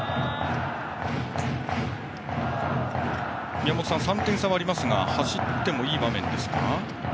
宮本さん、３点差はありますが走ってもいい場面ですか？